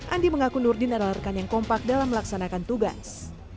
andi mengaku nurdin adalah rekan yang kompak dalam melaksanakan tugas